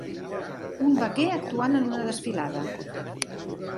Un vaquer actuant en una desfilada.